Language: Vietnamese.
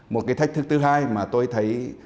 một cái thách thức thứ hai mà tôi thấy